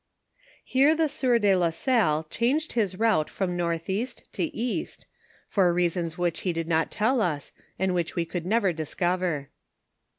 Hero the sieur de la Salh' ( hanged his route from northeast to east, for reasons which i. Hd not tell us, and which we could never discover.